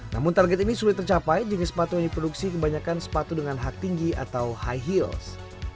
namun target ini sulit tercapai jika sepatu yang diproduksi kebanyakan sepatu dengan hak tinggi atau high heels